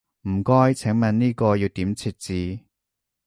唔該，請問呢個要點設置？